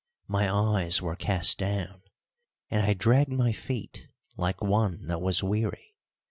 My eyes were cast down and I dragged my feet like one that was weary.